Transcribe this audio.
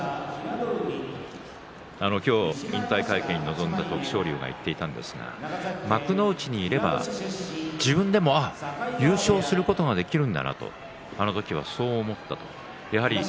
今日引退会見に臨んだ徳勝龍が言っていたんですけども幕内にいれば自分も優勝することができるんだと、あの時はそう思ったと言うんですね。